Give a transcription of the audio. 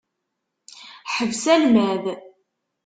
Ḥbes almad!